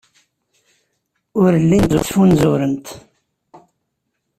Ur llint ttfunzurent.